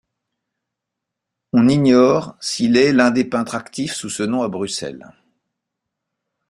On ignore s'il est l'un des peintres actifs sous ce nom à Bruxelles.